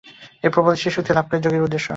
এই প্রবল ইচ্ছাশক্তি লাভ করাই যোগীর উদ্দেশ্য।